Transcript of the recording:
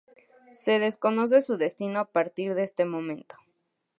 Se desconoce su destino a partir de este momento.